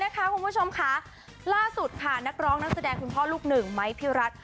คุณผู้ชมค่ะล่าสุดค่ะนักร้องนักแสดงคุณพ่อลูกหนึ่งไม้พี่รัฐ